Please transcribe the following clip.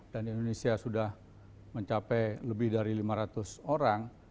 dan indonesia sudah mencapai lebih dari lima ratus orang